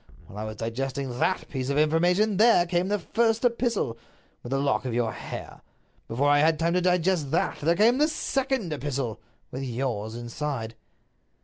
While I was digesting that piece of information there came the first epistle, with the lock of your hair. Before I had time to digest that there came the second epistle, with yours inside."